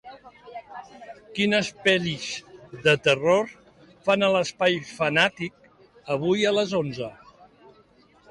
Quines pel·lis de terror fan a l'Espai Funàtic avui a les onze?